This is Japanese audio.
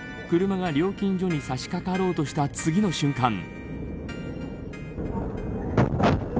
車が料金所にさしかかろうとした次の瞬間。